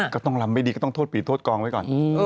ก็ต้องลำไม่ดีก็ต้องโทษปีโทษกองไว้ก่อน